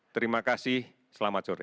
terima kasih selamat sore